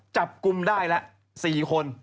จับกลุ่มได้ละ๔คน